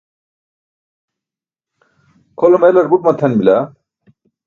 kʰolum elar but matʰan bila